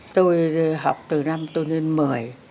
tôi học từ năm tuổi một mươi